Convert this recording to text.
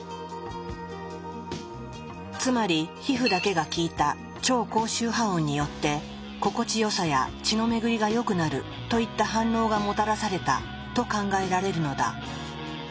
つまり皮膚だけが聞いた超高周波音によって「心地よさ」や「血のめぐりが良くなる」といった反応がもたらされたと考えられるのだ。